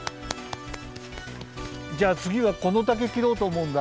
じゃあつぎはこの竹きろうとおもうんだ。